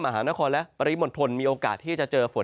มหานครและปริมณฑลมีโอกาสที่จะเจอฝน